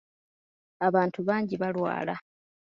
Abantu bangi balwala.